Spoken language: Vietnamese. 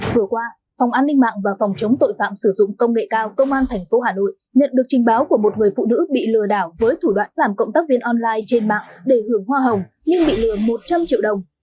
vừa qua phòng an ninh mạng và phòng chống tội phạm sử dụng công nghệ cao công an tp hà nội nhận được trình báo của một người phụ nữ bị lừa đảo với thủ đoạn làm cộng tác viên online trên mạng để hưởng hoa hồng nhưng bị lừa một trăm linh triệu đồng